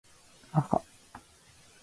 あか